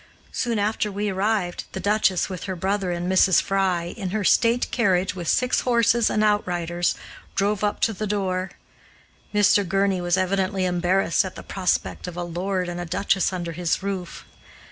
Soon after we arrived, the Duchess, with her brother and Mrs. Fry, in her state carriage with six horses and outriders, drove up to the door. Mr. Gurney was evidently embarrassed at the prospect of a lord and a duchess under his roof.